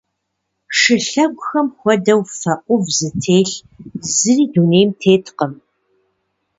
Шылъэгухэм хуэдэу фэ ӏув зытелъ зыри дунейм теткъым.